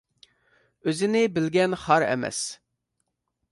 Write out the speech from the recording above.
ئۆزىنى بىلگەن خار ئەمەس.